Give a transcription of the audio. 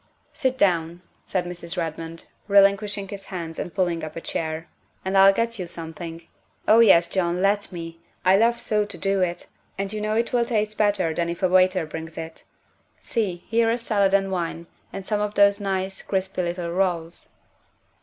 " Sit down," said Mrs. Redmond, relinquishing his hands and pulling up a chair, " and I'll get you some thing. Oh, yes, John, let me, I love so to do it, and you know it will taste better than if a waiter brings it. THE SECRETARY OF STATE 65 See, here is salad and wine, and some of those nice, crispy little rolls."